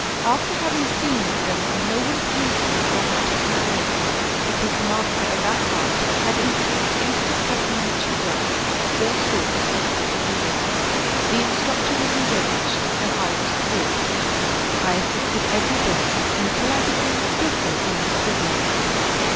After having seen them no one pleased me so much as mat making, because the master of that art had introduced into the specimen which he worked all sorts of pretty figures. ^' The instructor was engaged and I was taught. I as sisted every day, until I became skillful in this business.